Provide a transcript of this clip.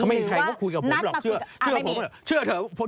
ไม่มีใครก็คุยกับผมหรอก